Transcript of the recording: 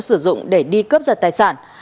sử dụng để đi cướp giật tài sản